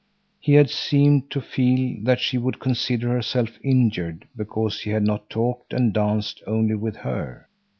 He had seemed to feel that she would consider herself injured because he had not talked and danced only with her.